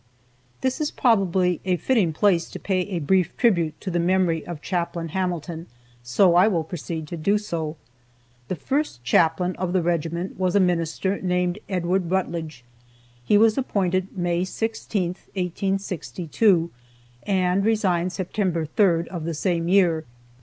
This is probably a fitting place to pay a brief tribute to the memory of Chaplain Hamilton, so I will proceed to do so. The first chaplain of the regiment was a minister named Edward Rutledge. He was appointed May 16, 1862, and resigned September 3rd, of the same year.